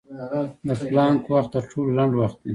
د پلانک وخت تر ټولو لنډ وخت دی.